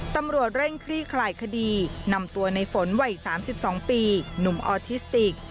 ตำรวจเร่งคลี่คลายคดีนำตัวในฝนวัย๓๒ปีหนุ่มออทิสติก